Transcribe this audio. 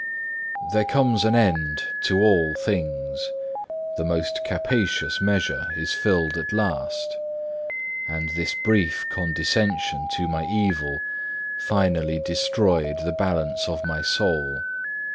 There comes an end to all things; the most capacious measure is filled at last; and this brief condescension to my evil finally destroyed the balance of my soul.